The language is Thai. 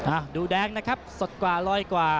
อ่ะดูแดงนะครับสดกว่าลอยกว่า